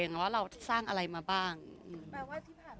บางทีเค้าแค่อยากดึงเค้าต้องการอะไรจับเราไหล่ลูกหรือยังไง